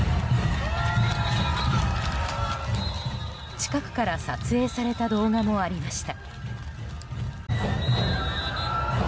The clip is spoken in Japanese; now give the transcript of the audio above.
近くから撮影された動画もありました。